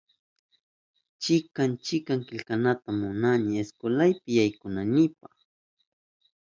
Chikan chikan killkata munani iskwelapi yaykunaynipa